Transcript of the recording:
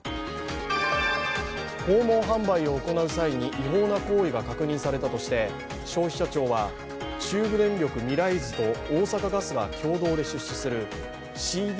訪問販売を行う際に違法な行為が確認されたとして消費者庁は中部電力ミライズと大阪ガスが共同で出資するＣＤ